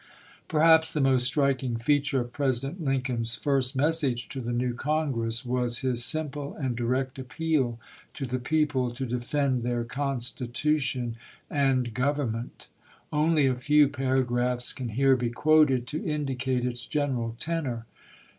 Perhaps the most striking feature of President Lincoln's first message to the new Congress was juiyi, isci. his simple and direct appeal to the people to de fend their Constitution and Government. Only a few paragraphs can here be quoted to indicate its general tenor.